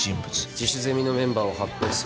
自主ゼミのメンバーを発表する。